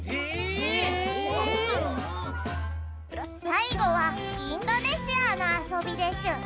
さいごはインドネシアの遊びでしゅ。